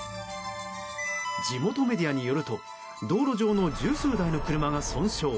地元メディアによると道路上の十数台の車が損傷。